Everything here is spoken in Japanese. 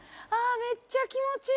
めっちゃ気持ちいい！